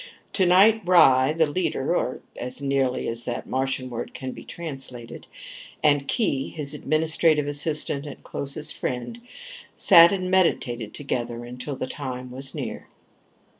Tonight Ry, the leader (as nearly as the Martian word can be translated), and Khee, his administrative assistant and closest friend, sat and meditated together until the time was near.